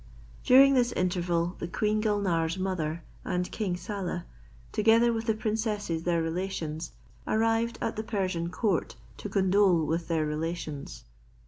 During this interval the Queen Gulnare's mother, and King Saleh, together with the princesses their relations, arrived at the Persian court to condole with their relations.